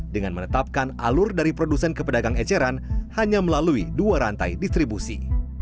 dengan menetapkan alur dari produsen ke pedagang eceran hanya melalui dua rantai distribusi